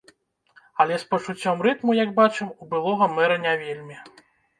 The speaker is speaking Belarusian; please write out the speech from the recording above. Але з пачуццём рытму, як бачым, у былога мэра не вельмі.